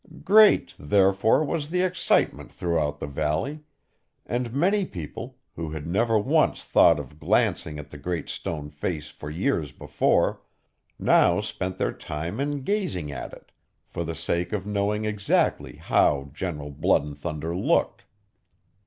Great, therefore, was the excitement throughout the valley; and many people, who had never once thought of glancing at the Great Stone Face for years before, now spent their time in gazing at it, for the sake of knowing exactly how General Blood and Thunder looked.